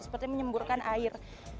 seperti menyemburkan air